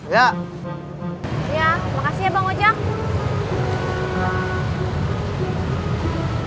ya makasih ya bang ujang